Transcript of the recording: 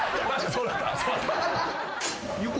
そうだった。